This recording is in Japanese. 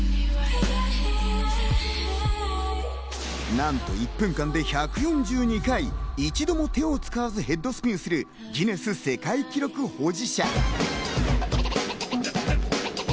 なんと１分間に１４２回、一度も手をつかずヘッドスピンをするギネス世界記録保持者。